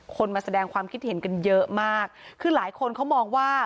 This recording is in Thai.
มาแสดงความคิดเห็นกันเยอะมากคือหลายคนเขามองว่า